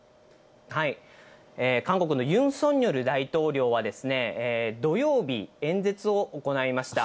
韓国のユン・ソンニョル大統領は土曜日演説を行いました。